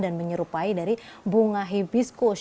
dan menyerupai dari bunga hibiscus